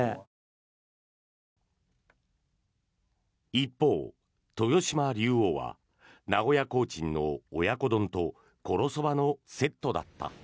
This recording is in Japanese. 一方、豊島竜王は名古屋コーチンの親子丼ところ蕎麦のセットだった。